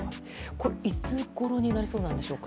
これ、いつごろになりそうなんでしょうか？